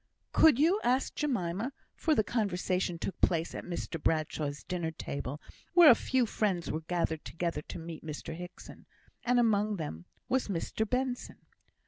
"Could you?" asked Jemima, for the conversation took place at Mr Bradshaw's dinner table, where a few friends were gathered together to meet Mr Hickson; and among them was Mr Benson.